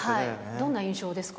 どんな印象ですか。